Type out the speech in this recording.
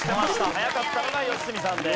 早かったのが良純さんです。